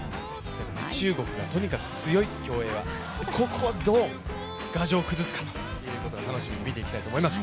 中国がとにかく強い、競泳はここをどう牙城を崩すかというところを見ていきたいと思います。